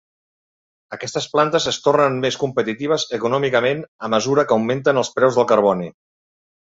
Aquestes plantes es tornen més competitives econòmicament a mesura que augmenten els preus del carboni.